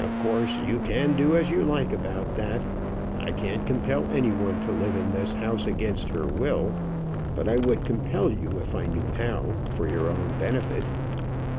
"Of course you can do as you like about that. I can't compel any one to live in this house against her will; but I would compel you if I knew how, for your own benefit."